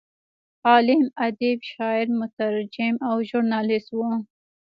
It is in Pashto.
عالم، ادیب، شاعر، مترجم او ژورنالست و.